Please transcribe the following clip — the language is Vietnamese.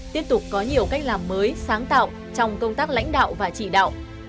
tiếp tục có nhiều cách làm mới sáng tạo trong công tác lãnh đạo và chỉ đạo